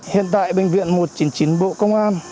hiện tại bệnh viện một trăm chín mươi chín bộ công an